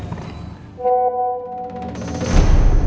kita mau ke rumah